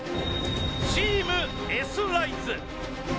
チームＳライズ。